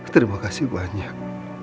terima kasih banyak